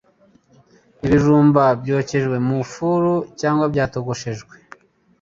ibijumba byokeje mu ifuru cyangwa byatogoshejwe,